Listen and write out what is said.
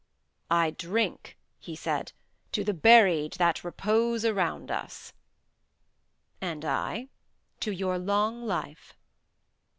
"I drink," he said, "to the buried that repose around us." "And I to your long life."